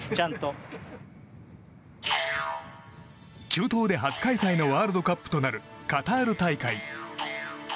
中東で初開催のワールドカップとなるカタール大会。